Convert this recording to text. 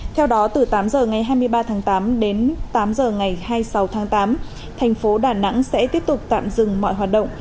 theo đó từ tám h ngày hai mươi ba tháng tám đến tám h ngày hai mươi sáu tháng tám thành phố đà nẵng sẽ tiếp tục tạm dừng mọi hoạt động